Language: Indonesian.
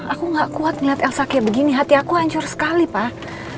aku gak kuat ngeliat yang sakit begini hati aku hancur sekali pak